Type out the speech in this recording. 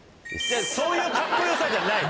そういうカッコよさじゃない。